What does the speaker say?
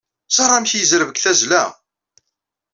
Ẓer amek yezreb deg tazzla!